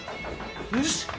よし！